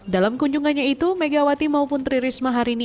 dalam kunjungannya itu megawati maupun tri risma hari ini